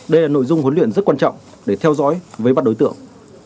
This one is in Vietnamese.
đây là nội dung huấn luyện rất quan trọng để theo dõi với bắt đối tượng